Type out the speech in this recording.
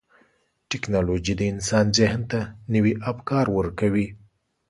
ټکنالوجي د انسان ذهن ته نوي افکار ورکوي.